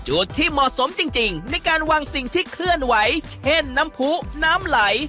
จุดที่เหมาะสมจริงในการวางสิ่งที่เคลื่อนไหวเช่นน้ำผู้น้ำไหล